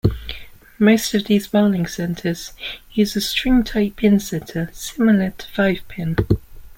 Most of these bowling centers use a string type pinsetter similar to five pin.